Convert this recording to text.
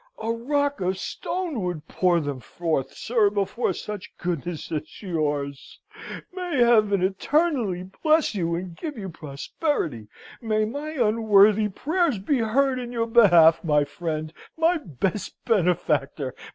A rock of stone would pour them forth, sir, before such goodness as yours! May Heaven eternally bless you, and give you prosperity! May my unworthy prayers be heard in your behalf, my friend, my best benefactor!